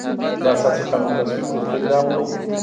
د اساسي قانون تصویب وروستی ګام نه و.